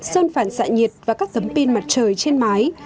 sơn phản xạ nhiệt và các tấm pin mặt trời trên mái